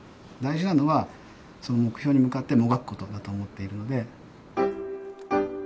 大事なのはその目標に向かってもがくことだと思っているので。